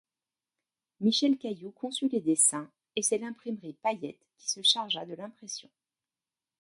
Michel Cailloux conçu les dessins et c'est l'imprimerie Payette qui se chargea de l'impression.